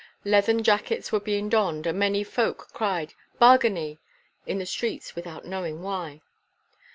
Leathern jackets were being donned, and many folk cried 'Bargany!' in the streets without knowing why.